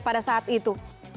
pada saat itu